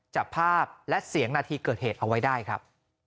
จับภาพและเสียงนาทีเกิดเหตุเอาไว้ได้ครับ